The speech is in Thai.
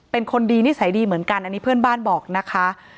เป็นคนดีนิสัยดีเหมือนกันอันนี้เพื่อนบ้านบอกนะคะ